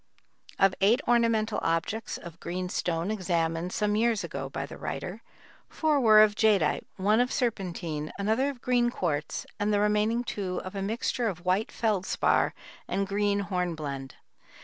Of eight ornamental objects of green stone examined some years ago by the writer, four were of jadeite, one of serpentine, another of green quartz, and the remaining two of a mixture of white feldspar and green hornblende.